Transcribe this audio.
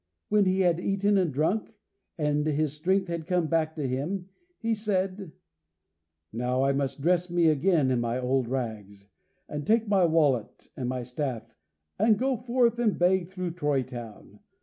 When he had eaten and drunk, and his strength had come back to him, he said: "Now I must dress me again in my old rags, and take my wallet, and my staff, and go forth, and beg through Troy town.